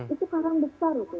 itu karang besar itu